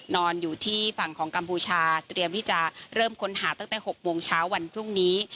นอนอยู่ที่ฝั่งของกัมพูชาเตรียมที่จะเริ่มค้นหาตั้งแต่๖โมงเช้าวันพรุ่งนี้